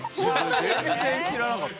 全然知らなかった。